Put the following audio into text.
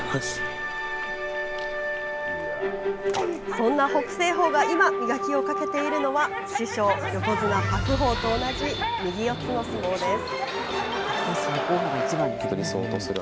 そんな北青鵬が今、磨きをかけているのは師匠、横綱白鵬と同じ右四つの相撲です。